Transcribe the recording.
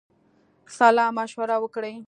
سلامشوره وکړی.